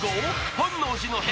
［『本能寺の変』